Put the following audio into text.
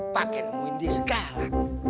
pakai nemuin dia segala